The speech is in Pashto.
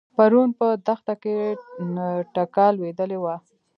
پرون په دښته کې ټکه لوېدلې وه.